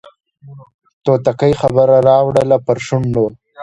توتکۍ خبره راوړله پر شونډو